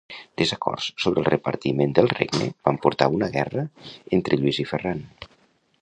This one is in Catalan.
Desacords sobre el repartiment del regne van portar a una guerra entre Lluís i Ferran.